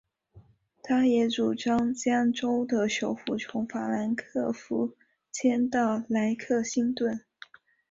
他也主张将州的首府从法兰克福迁到莱克星顿。